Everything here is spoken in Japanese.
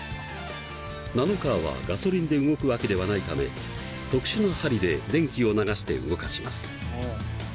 ナノカーはガソリンで動くわけではないため特殊な針で電気を流して動かします。